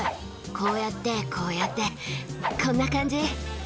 こうやって、こうやって、こんな感じ。